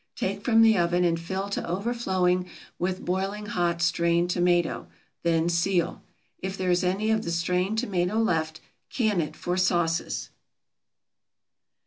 Take from the oven and fill to overflowing with boiling hot, strained tomato, then seal. If there is any of the strained tomato left, can it for sauces.